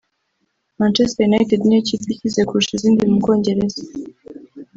Manchester United niyo kipe ikize kurusha izindi mu Bwongereza